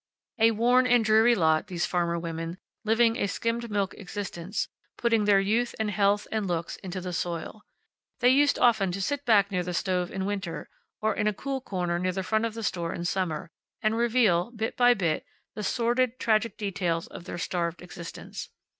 A worn and dreary lot, these farmer women, living a skimmed milk existence, putting their youth, and health, and looks into the soil. They used often to sit back near the stove in winter, or in a cool corner near the front of the store in summer, and reveal, bit by bit, the sordid, tragic details of their starved existence.